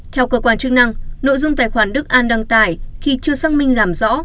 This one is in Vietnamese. theo cơ quan chức năng nội dung tài khoản đức an đăng tải khi chưa xác minh làm rõ